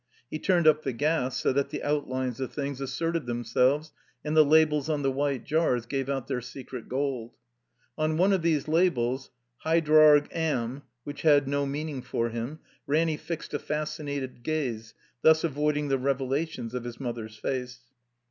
He ttuned up the gas so that the out lines of things asserted themselves and the labels on the white jars gave out their secret gold. On 6ne of these labels, Hydrarg. Amm., which had no[meain ing for him, Ranny fixed a fascinated gaze, thus avoiding the revelations of his mother's face.